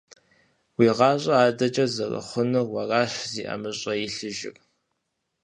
Уи гъащӀэр адэкӀэ зэрыхъунур уэращ зи ӀэмыщӀэ илъыжыр.